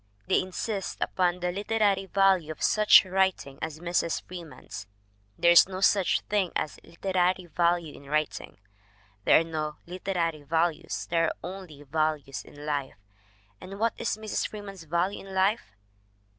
They insist upon the literary value of such writing as Mrs. Freeman's. There is no such thing as literary value in writing. There are no literary values, there are only values in life. And what is Mrs. Freeman's value in life?